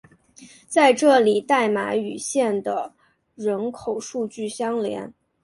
在这里代码与县的人口数据相连。